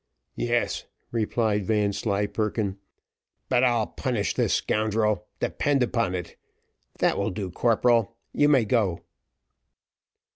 "Yes," replied Vanslyperken, "but I'll punish the scoundrel, depend upon it. That will do, corporal; you may go."